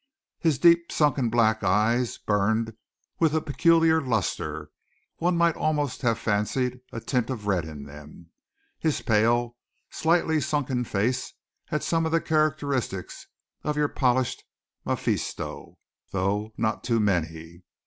His deep sunken black eyes burned with a peculiar lustre, one might almost have fancied a tint of red in them. His pale, slightly sunken face had some of the characteristics of your polished Mephisto, though not too many.